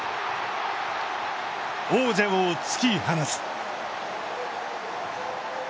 王者を突き放す。